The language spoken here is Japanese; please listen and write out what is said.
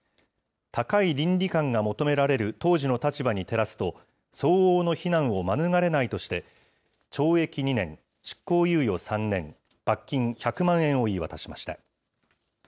高い倫理観が求められる当時の立場に照らすと、相応の非難を免れないとして、懲役２年執行猶予３年、罰金１００万円を言い渡しました。